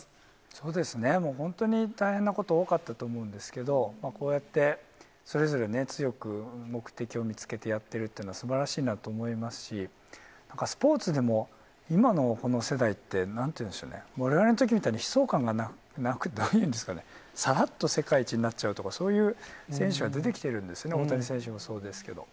そうですね、もう本当に大変なこと多かったと思うんですけど、こうやって、それぞれね、強く目的を見つけてやってるというのはすばらしいなと思いますし、なんかスポーツでも、今のこの世代って、なんて言うんでしょうね、われわれのときみたいに、悲壮感がないんですかね、さらっと世界一になっちゃうとか、そういう選手が出てきてるんですね、大谷選手もそうですけど。